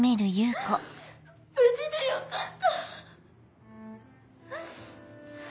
無事でよかった。